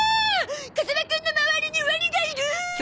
風間くんの周りにワニがいるーっ！！